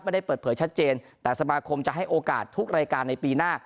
ไม่ได้เปิดเผยชัดเจนแต่สมาคมจะให้โอกาสทุกรายการในปีหน้า